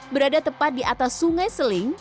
berada tepat di atas sungai seling